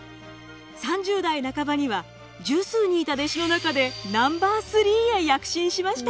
３０代半ばには十数人いた弟子の中でナンバー３へ躍進しました。